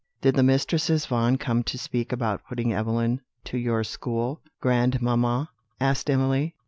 "Did the Mistresses Vaughan come to speak about putting Evelyn to your school, grandmamma?" asked Emily.